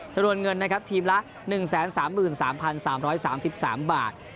จำนวนเงินทีมละ๑๓๓๓๓๓บาท